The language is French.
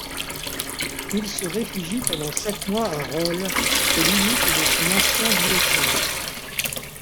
Il se réfugie pendant sept mois à Rolle aux limites de son ancien diocèse.